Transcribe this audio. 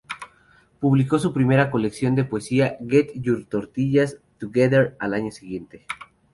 Publicó su primera colección de poesía, "Get Your Tortillas Together" al año siguiente.